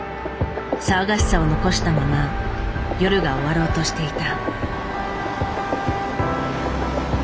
騒がしさを残したまま夜が終わろうとしていた。